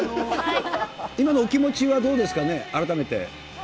今のお気持ちはどうですかね、改めて。